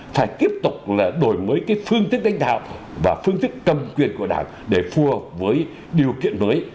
phải tiếp tục đổi mới phương thức đánh đạo và phương thức cầm quyền của đảng để phù hợp với điều kiện mới